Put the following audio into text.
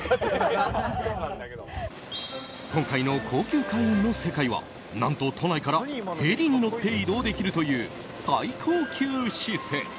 今回の高級会員の世界は何と都内からヘリに乗って移動できるという最高級施設。